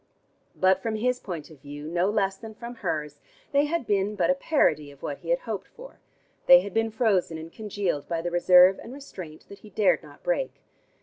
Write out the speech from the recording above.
But from his point of view, no less than from hers, they had been but a parody of what he had hoped for, they had been frozen and congealed by the reserve and restraint that he dared not break.